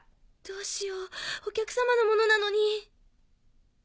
どうしようお客様のものなのに。